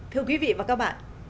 thưa quý vị và các bạn